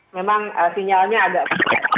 oke memang sinyalnya agak